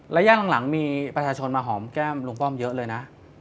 ระยะหลังมีประชาชนมาหอมแก้มลุงป้อมเยอะเลยนะ